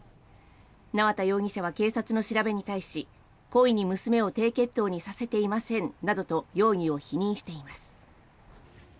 縄田容疑者は警察の調べに対し故意に娘を低血糖にさせていませんなどと容疑を否認しています。